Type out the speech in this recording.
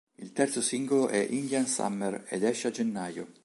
Il terzo singolo è "Indian Summer" ed esce a gennaio.